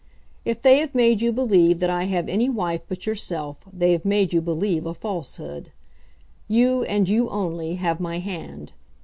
If they have made you believe that I have any wife but yourself they have made you believe a falsehood. You, and you only, have my hand.